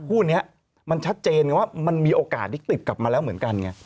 คู่นี้มันชัดเจนไงว่ามันมีโอกาสที่ติดกลับมาแล้วเหมือนกันไง